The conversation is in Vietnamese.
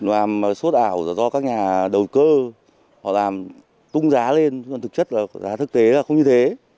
nó làm sốt ảo là do các nhà đầu cơ họ làm tung giá lên thực chất là giá thực tế là không như thế